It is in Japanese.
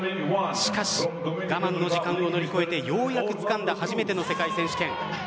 しかし我慢の時間を乗り換えてようやくつかんだ初めての世界選手権。